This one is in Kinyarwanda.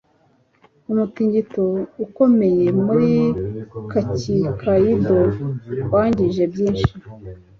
umutingito ukomeye muri hokkaido wangije byinshi